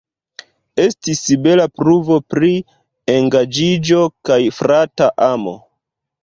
Estis bela pruvo pri engaĝiĝo kaj frata amo.